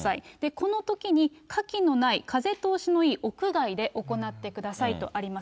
このときに火器のない、風の通しのいい屋外で行ってくださいとあります。